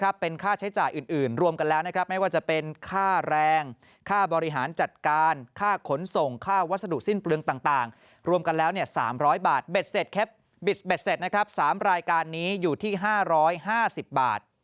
บวกกับค่าอบข้าวครับ